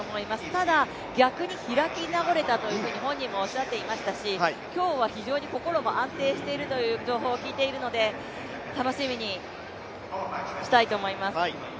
ただ、逆に開き直れたと本人もおっしゃっていましたし、今日は非常に心も安定しているという情報を聞いているので、楽しみにしたいと思います。